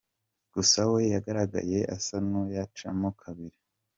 Gusa we yagaragaye asa n’uyacamo kabiri.